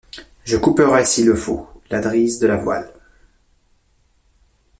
Je couperai, s’il le faut, la drisse de la voile!